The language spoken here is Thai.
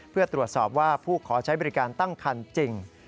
เพื่อตรวจสอบว่าผู้ขอใช้บริการตั้งคันจริง